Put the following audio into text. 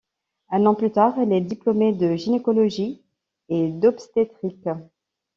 Un an plus tard, elle est diplômée de gynécologie et d'obstétrique.